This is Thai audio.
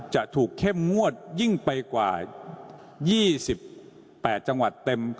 จะถูกเข้มงวดยิ่งไปกว่ายี่สิบแปดจังหวัดเต็ม